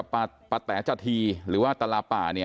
ปตแผลจะทีหรือว่าตลาป่า